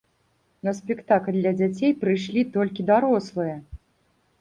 На спектакль для дзяцей прыйшлі толькі дарослыя!